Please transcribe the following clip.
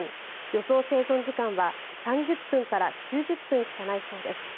予想生存時間は３０分から９０分しかないそうです。